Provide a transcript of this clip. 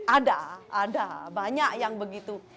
ada ada banyak yang begitu